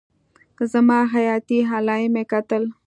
زما حياتي علايم يې کتل.